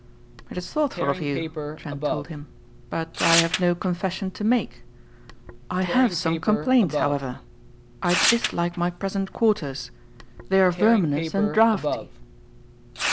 "It is thoughtful of you," Trent told him, "but I have no confession to make. I have some complaints however. I dislike my present quarters. They are verminous and draughty."